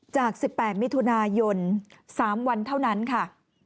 จาก๑๘มิถุนายน๓วันเท่านั้นค่ะ